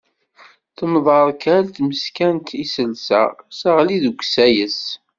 Temḍerkal tmeskant iselsa, teɣli deg usayes.